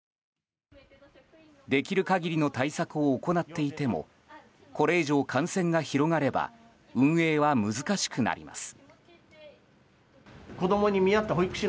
できる限りの対策を行っていてもこれ以上、感染が広がれば運営は難しくなります。